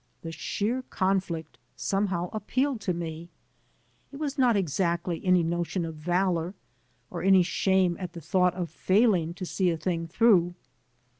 The sheer conflict somehow appealed to me. It was not exactly any notion of valor, or any shame at the thought of failing to see a thing through.